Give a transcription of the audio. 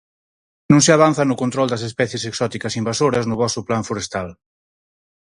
Non se avanza no control das especies exóticas invasoras no voso Plan forestal.